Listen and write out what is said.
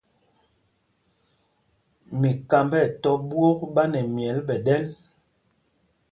Mikámb ɛ tɔ̄ ɓwôk ɓá nɛ myɛl ɓɛ̌ ɗɛ́l.